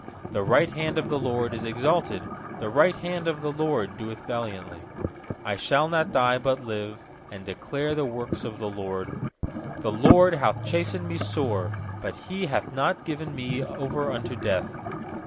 16The right hand of the LORD is exalted; The right hand of the LORD doeth valiantly. 17I shall not die, but live, And declare the works of the LORD. 18The LORD hath chastened me sore; But He hath not given me over unto death.